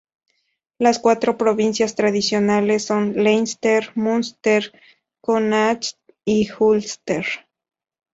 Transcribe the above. Las cuatro provincias tradicionales son: Leinster, Munster, Connacht y Úlster.